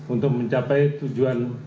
untuk mencapai tujuan